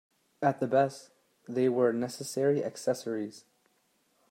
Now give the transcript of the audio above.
At the best, they were necessary accessories.